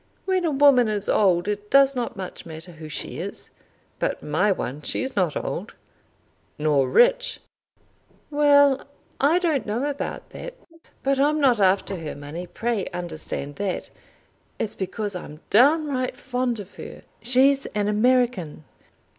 When a woman is old it does not much matter who she is. But my one! She's not old!" "Nor rich?" "Well; I don't know about that. But I'm not after her money. Pray understand that. It's because I'm downright fond of her. She's an American."